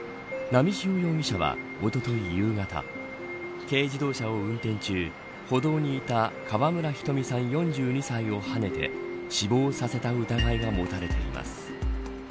波汐容疑者は、おととい夕方軽自動車を運転中歩道にいた川村ひとみさん４２歳をはねて死亡させた疑いが持たれています。